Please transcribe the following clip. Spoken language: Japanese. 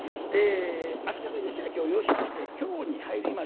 足利義昭を擁しまして京に入りました